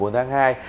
bốn tháng hai